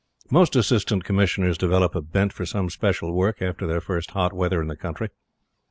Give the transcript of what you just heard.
Most Assistant Commissioners develop a bent for some special work after their first hot weather in the country.